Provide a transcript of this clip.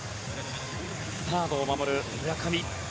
サードを守る村上。